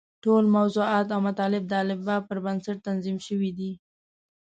ټول موضوعات او مطالب د الفباء پر بنسټ تنظیم شوي دي.